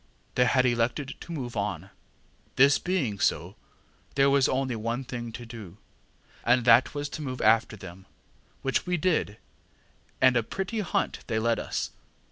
They had elected to move on. This being so, there was only one thing to do, and that was to move after them, which we did, and a pretty hunt they led us.